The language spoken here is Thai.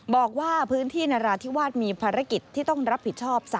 บอกว่าพื้นที่นราธิวาสมีภารกิจที่ต้องรับผิดชอบ